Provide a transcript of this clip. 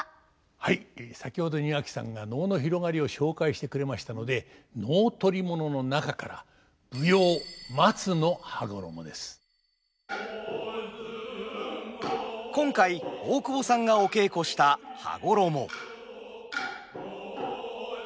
はい先ほど庭木さんが能の広がりを紹介してくれましたので能取り物の中から今回大久保さんがお稽古した「羽衣」。